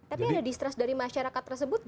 tapi ada distrust dari masyarakat tersebut